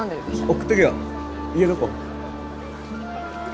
送ってくよ家どこ？